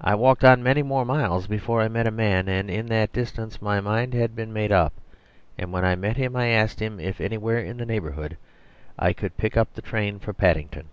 I walked on many more miles before I met a man, and in that distance my mind had been made up; and when I met him I asked him if anywhere in the neighbourhood I could pick up the train for Paddington.